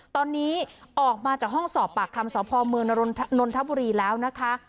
ตอนนี้ออกมาจากห้องสอบปากคำสพเมืองนนทบุรีแล้วนะคะ